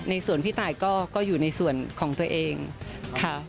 ส่วนพี่ตายก็อยู่ในส่วนของตัวเองค่ะ